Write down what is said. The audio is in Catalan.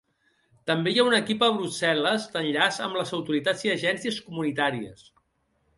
També hi ha un equip a Brussel·les d'enllaç amb les autoritats i agències comunitàries.